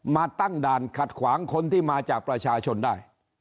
มาตั้งด่านขัดขวางคนที่มาจากประชาชนได้